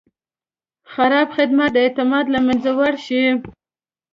خراب خدمت د اعتماد له منځه وړی شي.